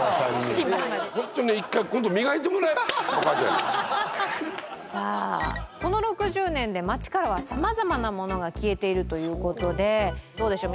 新橋までお母ちゃんにさあこの６０年で街からは様々なものが消えているということでどうでしょう？